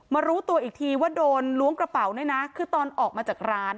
รู้ตัวอีกทีว่าโดนล้วงกระเป๋าด้วยนะคือตอนออกมาจากร้าน